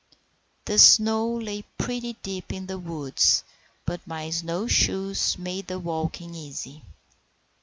The snow lay pretty deep in the woods, but my snowshoes made the walking easy.